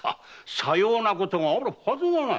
さようなことがあるはずがない。